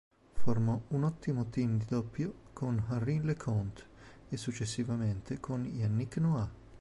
Formò un ottimo team di doppio con Henri Leconte e successivamente con Yannick Noah.